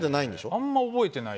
あんまり覚えてない。